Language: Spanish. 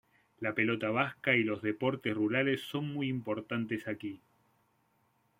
La pelota vasca y los deportes rurales son muy importantes aquí.